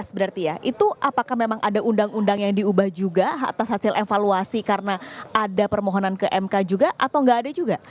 berarti ya itu apakah memang ada undang undang yang diubah juga atas hasil evaluasi karena ada permohonan ke mk juga atau nggak ada juga